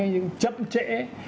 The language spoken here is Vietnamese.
những chậm trễ